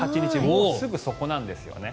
もうすぐそこなんですよね。